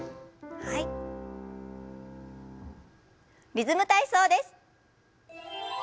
「リズム体操」です。